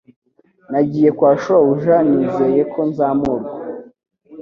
Nagiye kwa shobuja nizeye ko nzamurwa.